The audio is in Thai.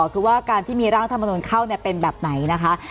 คือว่าการที่มีร่างธรรมนุนเข้าเป็นแบบไหนนะคะ